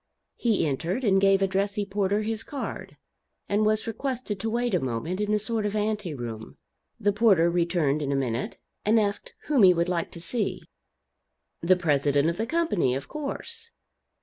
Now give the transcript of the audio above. He entered and gave a dressy porter his card, and was requested to wait a moment in a sort of ante room. The porter returned in a minute; and asked whom he would like to see? "The president of the company, of course."